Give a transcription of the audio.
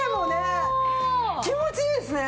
気持ちいいですね！